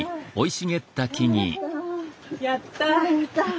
やった！